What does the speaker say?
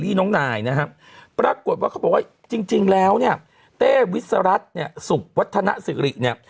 เคลี้ย์น้องนายนะฮะปรากฏว่าเขาบอกว่าจริงแล้วนะเต้วิสรัฐเนี่ยศุกร์วัฒนสิริเนี่ย